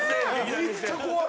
めっちゃ怖い！